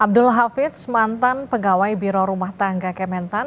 abdul hafiz mantan pegawai biro rumah tangga kementan